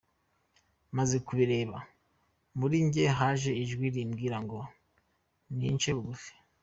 Maze kubireka, murijye haje ijwi rimbwira Ngo nince bugufi.